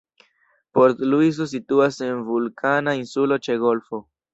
Port-Luiso situas en vulkana insulo ĉe golfo.